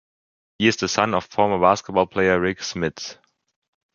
He is the son of former basketball player Rik Smits.